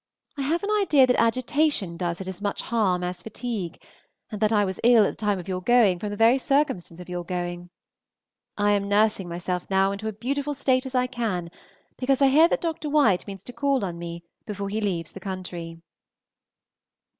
I have an idea that agitation does it as much harm as fatigue, and that I was ill at the time of your going from the very circumstance of your going. I am nursing myself up now into as beautiful a state as I can, because I hear that Dr. White means to call on me before he leaves the country.